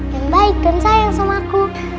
yang baik dan sayang sama aku